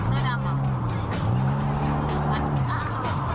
ทางหน้า